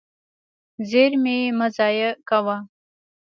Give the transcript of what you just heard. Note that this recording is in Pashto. زیرمې مه ضایع کوه.